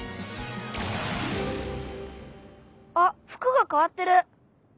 あ服がかわってる。